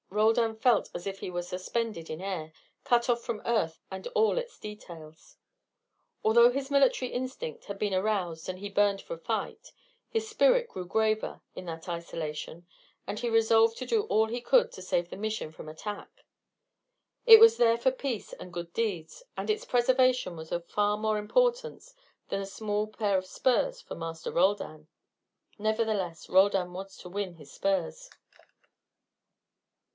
Roldan felt as if he were suspended in air, cut off from Earth and all its details. Although his military instinct had been aroused and he burned for fight, his spirit grew graver in that isolation, and he resolved to do all he could to save the Mission from attack. It was there for peace and good deeds, and its preservation was of far more importance than a small pair of spurs for Master Roldan. Nevertheless, Roldan was to win his spurs.